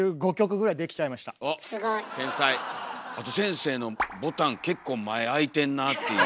あと先生のボタン結構前開いてんなっていう。